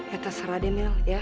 ya terserah deh mel